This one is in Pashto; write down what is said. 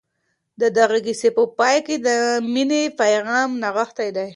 د دغي کیسې په پای کي د مننې پیغام نغښتی دی.